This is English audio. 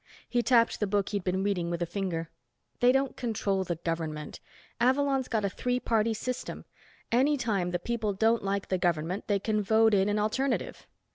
He tapped the book he'd been reading with a finger. "They don't control the government. Avalon's got a three party system. Any time the people don't like the government, they can vote in an alternative."